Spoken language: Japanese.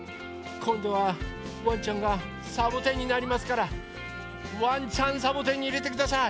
こんどはワンちゃんがサボテンになりますからワンちゃんサボテンにいれてください。